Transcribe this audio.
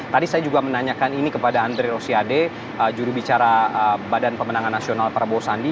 tadi saya juga menanyakan ini kepada andre rosiade jurubicara badan pemenangan nasional prabowo sandi